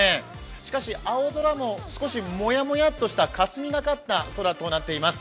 しかし青空も少しもやもやっとした、かすみがかった空となっています。